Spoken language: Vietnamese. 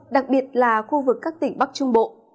đặc biệt là khu vực các tỉnh bắc trung bộ